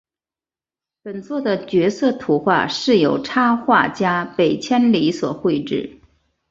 本作的角色图画是由插画家北千里所绘制。